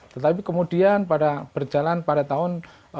tetapi kemudian berjalan pada tahun seribu sembilan ratus delapan puluh dua